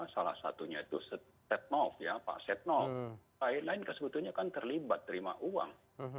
salah satunya itu setnov ya pak setnov lain lain kan sebetulnya kan terlibat terima uang